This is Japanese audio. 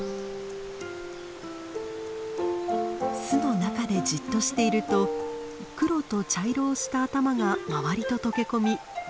巣の中でじっとしていると黒と茶色をした頭が周りと溶け込み目立ちません。